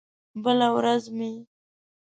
بله ورځ مې